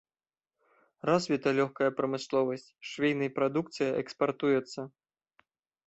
Развіта лёгкая прамысловасць, швейнай прадукцыя экспартуецца.